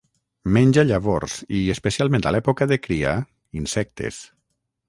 Menja llavors i, especialment a l'època de cria, insectes.